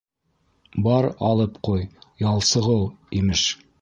Бар алып ҡуй, Ялсығол, имеш.